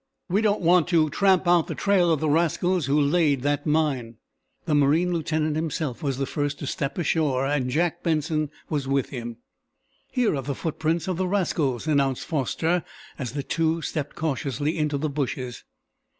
"We don't want to tramp out the trail of the rascals who laid that mine." The marine lieutenant himself was the first to step ashore, and Jack Benson was with him. "Here are the footprints of the rascals," announced Foster, as the two stepped cautiously into the bushes.